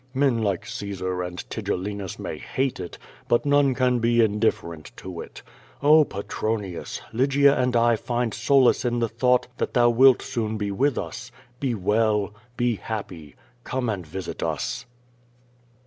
Men like Caesar and Tigellinus may hate it, but none can be indiiferent to it. Oh, Petronius! Lygia and I find solace in the thought that thou wilt soon be with us. Be well. Be happy. Come and visit us!